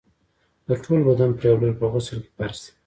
د ټول بدن پرېولل په غسل کي فرض دي.